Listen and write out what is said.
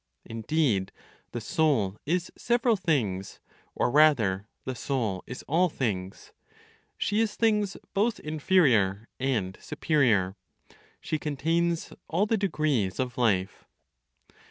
Indeed, the soul is several things, or rather, the soul is all things; she is things both inferior and superior; she contains all the degrees of life.